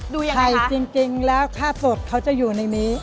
ดูอย่างไรคะไข่จริงแล้วถ้าสดเขาจะอยู่ในนี้